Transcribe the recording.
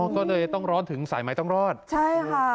อ๋อก็เลยต้องรอดถึงสายใหม่ต้องรอดใช่ค่ะ